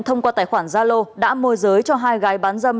thông qua tài khoản zalo đã mua giới cho hai gái bán dâm